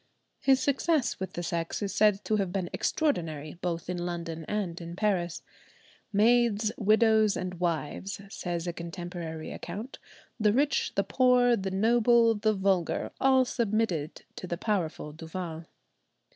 His success with the sex is said to have been extraordinary, both in London and in Paris. "Maids, widows, and wives," says a contemporary account, "the rich, the poor, the noble, the vulgar, all submitted to the powerful Duval."